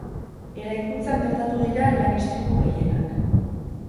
Eraikuntzan gertatu dira lan-istripu gehienak.